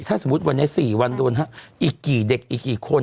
ถ้าสมมุติวันนี้๔วันโดนอีกกี่เด็กอีกกี่คน